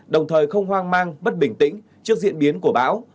đồng thời không hoang mang bất bình tĩnh trước diễn biến của bão